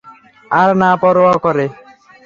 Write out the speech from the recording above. আর না পরোয়া করে।